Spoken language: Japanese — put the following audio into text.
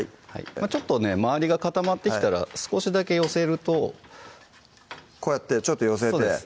ちょっとね周りが固まってきたら少しだけ寄せるとこうやってちょっと寄せてそうです